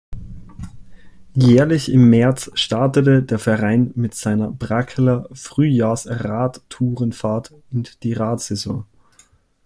Jährlich im März startete der Verein mit seiner Brackeler Frühjahrs-Radtourenfahrt in die Rad-Saison.